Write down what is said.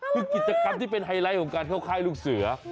คือกิจกรรมที่เป็นไฮไลท์ของการเข้าค่ายลูกเสือ